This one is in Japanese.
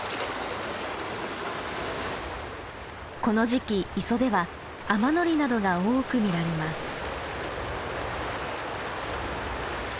この時期磯ではアマノリなどが多く見られます。